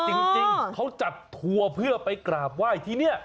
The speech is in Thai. จริงเขาจัดทัวร์เพื่อไปกราบไหว้ที่นี่